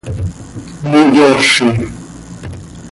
miyoozi.